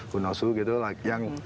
gunosu gitu yang